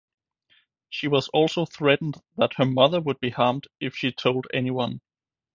She was also threatened that her mother would be harmed if she told anyone.